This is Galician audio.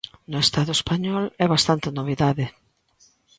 No Estado español é bastante novidade.